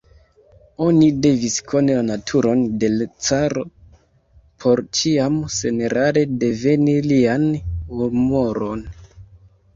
Oni devis koni la naturon de l' caro, por ĉiam senerare diveni lian humoron.